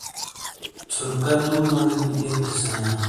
چھورکا دو موجوی گی اک تھے سنیا۔